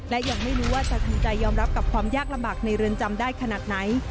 และยังไม่รู้ว่าจะทำใจยอมรับกับความยากลำบากในเรือนจำได้ขนาดไหน